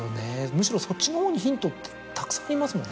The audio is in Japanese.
むしろそっちのほうにヒントってたくさんありますもんね。